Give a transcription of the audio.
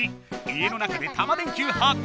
家の中でタマ電Ｑ発見？